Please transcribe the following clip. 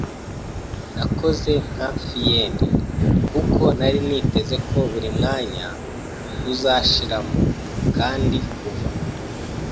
Nakoze nka fiend, kuko nari niteze ko buri mwanya uzashiramo; kandi kuva I.